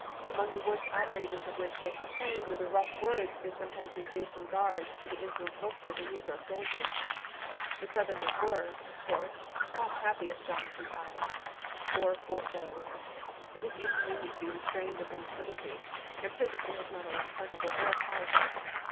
Among the worst outrages of which they complain were the rough words they some times received from guards and the insolent looks of the negro soldiers. The Southerners were, of course, not happy at Johnson's Island or Fort Dela ware ; it is inconvenient to be restrained of one's liberty, and prison fare is not always plentiful or palatable.